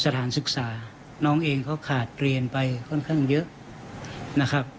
สถานศึกษาน้องเองเขาขาดเรียนไปค่อนข้างเยอะนะครับ